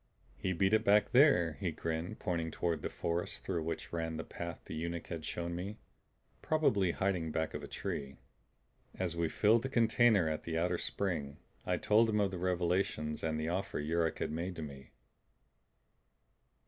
"He beat it back there." He grinned, pointing toward the forest through which ran the path the eunuch had shown me. "Probably hiding back of a tree." As we filled the container at the outer spring, I told him of the revelations and the offer Yuruk had made to me.